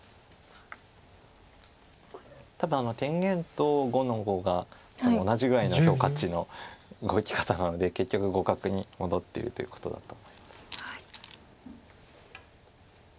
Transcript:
多分天元と５の五が同じぐらいの評価値の動き方なので結局互角に戻ってるということだと思います。